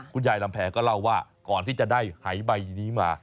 ลำแพก็เล่าว่าก่อนที่จะได้หายใบนี้มา